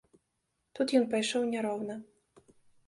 Тут ён пайшоў няроўна.